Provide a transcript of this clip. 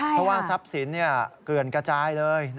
เพราะว่าทรัพย์สินเกลื่อนกระจายเลย